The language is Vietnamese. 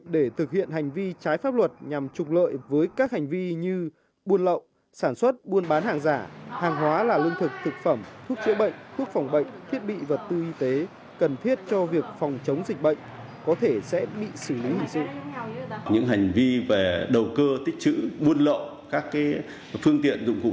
bệnh để thực hiện hành vi trái pháp luật nhằm trục lợi với các hành vi như buôn lậu sản xuất buôn bán hàng giả hàng hóa là lương thực thực phẩm thuốc chữa bệnh thuốc phòng bệnh thiết bị và tư y tế cần thiết cho việc phòng chống dịch bệnh có thể sẽ bị xử lý hình dụng